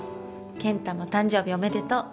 健太も誕生日おめでとう。